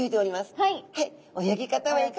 はい。